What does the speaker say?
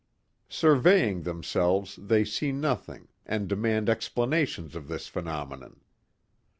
Surveying themselves they see nothing and demand explanations of this phenomenon.